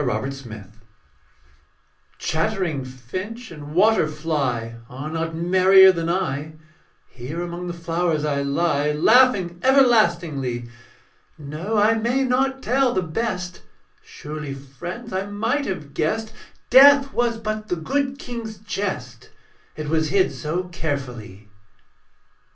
THE SKELETON Chattering finch and water fly Are not merrier than I; Here among the flowers I lie Laughing everlastingly. No: I may not tell the best; Surely, friends, I might have guessed Death was but the good King's jest, It was hid so carefully.